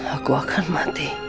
aku akan mati